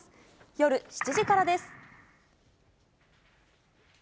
夜７時からです。